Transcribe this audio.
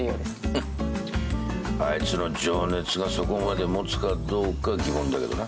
フッあいつの情熱がそこまで持つかどうか疑問だけどな。